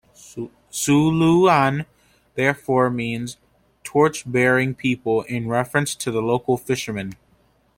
Sulu-an, therefore, means torch-bearing people in reference to the local fishermen.